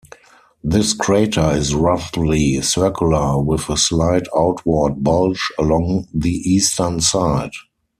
This crater is roughly circular with a slight outward bulge along the eastern side.